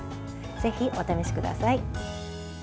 ぜひお試しください。